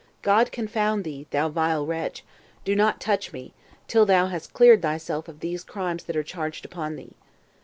God confound thee, thou vile wretch; do not thou touch me, till thou hast cleared thyself of these crimes that are charged upon thee.